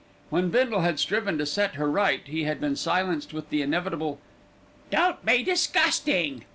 When Bindle had striven to set her right, he had been silenced with the inevitable, "Don't be disgusting."